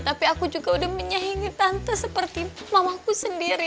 tapi aku juga udah menyaingi tante seperti mamaku sendiri